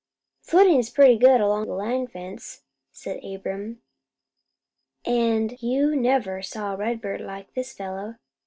"Footin's pretty good along the line fence," said Abram, "an' you never saw a redbird like this fellow.